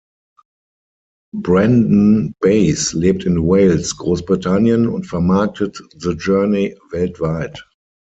Brandon Bays lebt in Wales, Großbritannien, und vermarktet „The Journey“ weltweit.